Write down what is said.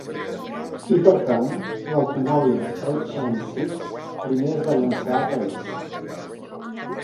I per tant, l'automòbil Erskine Six primer es va llançar a París.